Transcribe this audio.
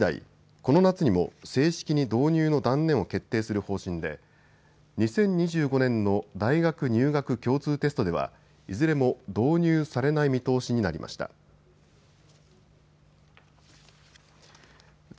この夏にも正式に導入の断念を決定する方針で２０２５年の大学入学共通テストではいずれも導入されない見通しになりました。